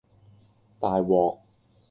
大鑊